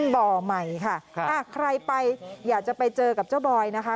บ่อใหม่ค่ะใครไปอยากจะไปเจอกับเจ้าบอยนะคะ